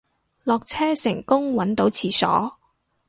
落車成功搵到廁所